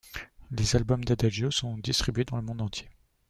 Les albums d'Adagio sont distribués dans le monde entier.